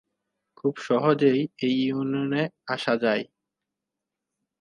খুব সহজেই এ ইউনিয়ন এ আসা যাই।